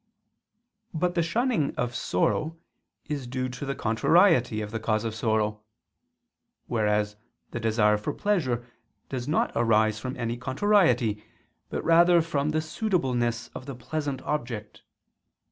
But the shunning of sorrow is due to the contrariety of the cause of sorrow; whereas the desire for pleasure does not arise from any contrariety, but rather from the suitableness of the pleasant object.